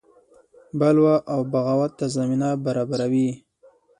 بلوا او بغاوت ته زمینه برابروي.